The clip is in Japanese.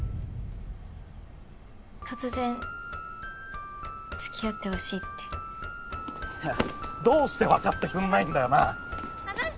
突然付き合ってほしいってどうして分かってくんないんはなして下さい！